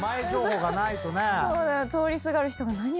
通りすがる人が。